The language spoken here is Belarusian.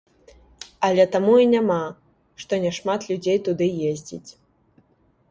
Але таму і няма, што няшмат людзей туды ездзіць.